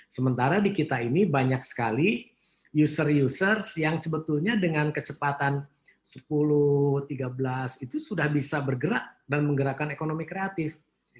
sementara di kita ini banyak sekali user users yang sebetulnya dengan kecepatan sepuluh tiga belas itu sudah bisa bergerak dan menggerakkan ekonomi kreatif